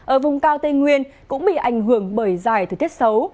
ở vùng cao tây nguyên cũng bị ảnh hưởng bởi dài thời tiết xấu